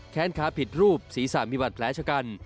แค้นขาผิดรูปศีรษะมีบัตรแผลชกัน